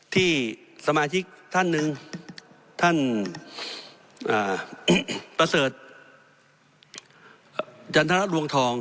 ที่สมาชิกท่านหนึ่งท่านประเสริฐจันทรลวงทอง